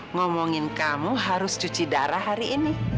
ngomongin kamu harus cuci darah hari ini